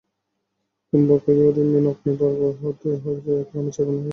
কুম্ভ কয়, ওরে মীন, অগ্নিবর্ণ হতে হয়, ক্রমে ছাইবর্ণ হয়ে যেতে হয়তারপর।